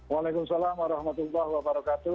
waalaikumsalam warahmatullahi wabarakatuh